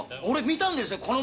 俺見たんですよ